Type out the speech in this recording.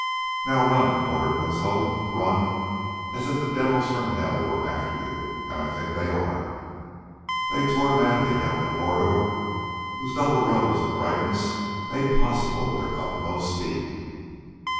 "Now run!" ordered Winslow. "Run as if the devils from hell were after you and I think they are!" The two tore madly down the corridor whose double rows of brightness made possible their utmost speed.